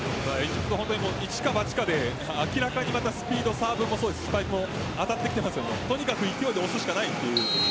一か八かで明らかにスピードサーブやスパイクも当たってきているのでとにかく勢いで押すしかないという。